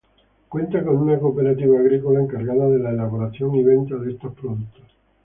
Cuenta con una cooperativa agrícola encargada de la elaboración y venta de estos productos.